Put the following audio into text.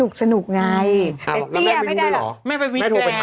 คุณแอนอืม